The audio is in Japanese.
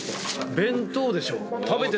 弁当でしょ。